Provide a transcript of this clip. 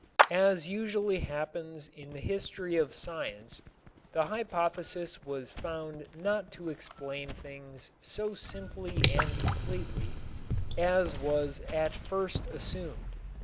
As usually happens in the history of science the hypothesis was found not to explain things so simply and completely as was at first assumed.